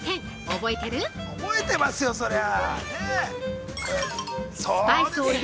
◆覚えてますよ、それは。